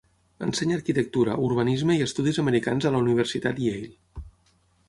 Ensenya arquitectura, urbanisme, i estudis americans a la Universitat Yale.